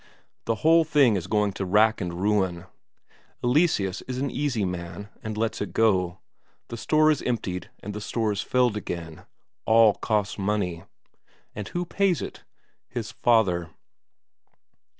The whole thing is going to rack and ruin. Eleseus is an easy man, and lets it go; the store is emptied and the store is filled again. All costs money. And who pays it? His father.